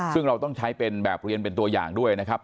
ซึ่งเราต้องใช้เป็นแบบเรียนเป็นตัวอย่างด้วยนะครับ